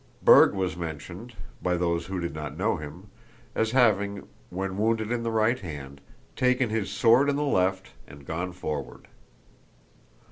Berg was mentioned, by those who did not know him, as having, when wounded in the right hand, taken his sword in the left, and gone forward.